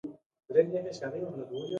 جهالت موږ له وبایي ناروغیو زیانمنوي.